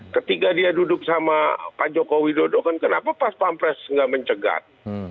ketika dia duduk sama pak jokowi duduk kan kenapa pak spampres nggak mencegat